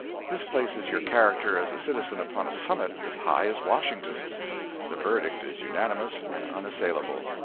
This places your character as a citizen upon a summit as high as Washington's. The verdict is unanimous and unassailable.